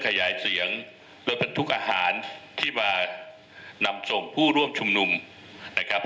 ขยายเสียงรถบรรทุกอาหารที่มานำส่งผู้ร่วมชุมนุมนะครับ